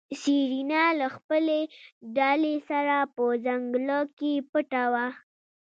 سېرېنا له خپلې ډلې سره په ځنګله کې پټه وه.